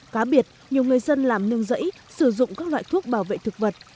cá biệt nhiều người dân làm nương rẫy sử dụng các loại thuốc bảo vệ thực vật